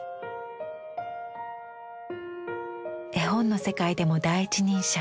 絵本の世界でも第一人者。